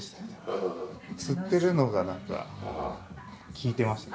吊ってるのがなんか効いてましたよ